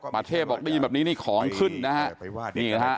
ประเทศบอกได้ยินแบบนี้นี่ของขึ้นนะฮะนี่นะฮะ